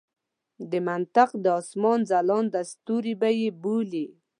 د منطق د اسمان ځلانده ستوري به یې بولي.